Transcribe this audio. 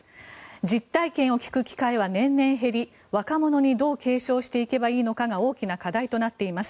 実体験を聞く機会は年々減り若者にどう継承していけばいいのかが大きな課題となっています。